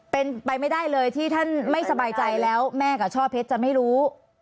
เป็นไปไม่ได้เลยที่ท่านไม่สบายใจแล้วแม่กับช่อเพชรจะไม่รู้